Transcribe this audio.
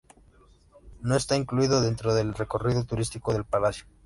No está incluido dentro del recorrido turístico del Palacio.